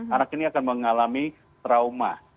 anak ini akan mengalami trauma